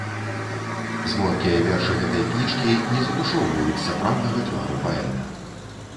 Звонкія вершы гэтай кніжкі не затушоўваюць сапраўднага твару паэта.